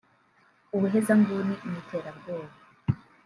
ubuhezanguni n’iterabwoba”